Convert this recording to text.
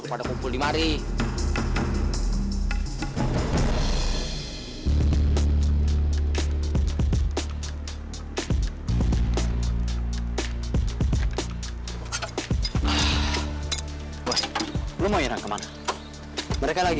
aku mau nunggu nanti